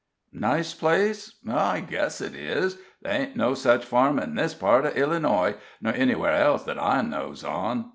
"Nice place? I guess it is; ther hain't no such farm in this part of Illinoy, nor anywhere else that I knows on.